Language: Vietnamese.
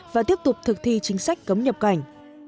và tiếp tục thực thi chính sách cấm nhập cảnh